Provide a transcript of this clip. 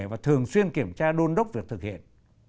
và thường xuyên kiểm tra đôn đốc việc thực hiện